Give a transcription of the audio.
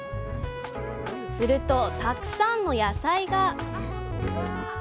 するとたくさんの野菜が！